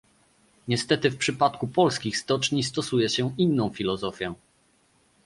Niestety w przypadku polskich stoczni stosuje się inną filozofię